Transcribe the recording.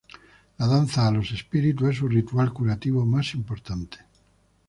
La danza a los espíritus es su ritual curativo más importante.